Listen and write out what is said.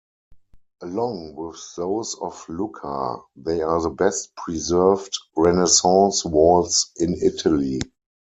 Along with those of Lucca, they are the best preserved Renaissance walls in Italy.